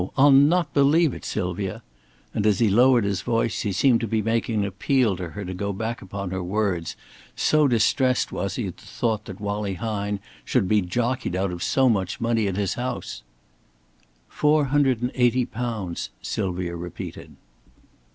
I'll not believe it, Sylvia." And as he lowered his voice, he seemed to be making an appeal to her to go back upon her words, so distressed was he at the thought that Wallie Hine should be jockeyed out of so much money at his house. "Four hundred and eighty pounds," Sylvia repeated.